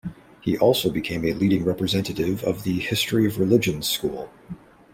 He also became a leading representative of the history of religions school.